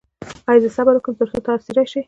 ایا زه صبر وکړم تر څو تاسو راشئ؟